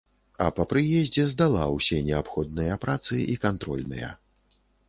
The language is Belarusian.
А па прыездзе здала ўсе неабходныя працы і кантрольныя.